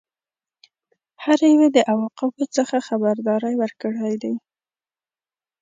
هر یوه د عواقبو څخه خبرداری ورکړی دی.